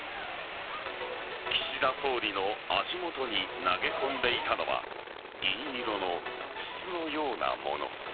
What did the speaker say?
岸田総理の足元に投げ込んでいたのは銀色の筒のようなもの。